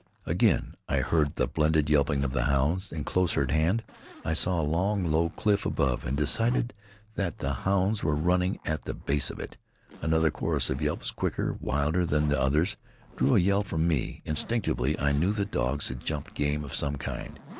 Again I heard the blended yelping of the hounds, and closer at hand. I saw a long, low cliff above, and decided that the hounds were running at the base of it. Another chorus of yelps, quicker, wilder than the others, drew a yell from me. Instinctively I knew the dogs had jumped game of some kind.